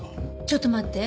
ちょっと待って。